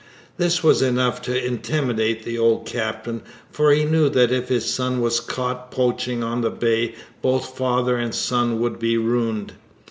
This was enough to intimidate the old captain, for he knew that if his son was caught poaching on the Bay both father and son would be ruined.